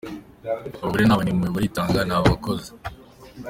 Abagore ni abanyempuhwe, baritanga, ni abakozi.